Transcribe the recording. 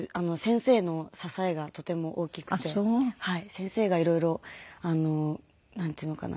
先生が色々なんていうのかな。